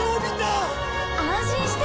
安心して。